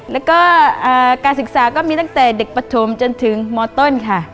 แล้วก็การศึกษาก็มีตั้งแต่เด็กปฐมจนถึงมต้นค่ะ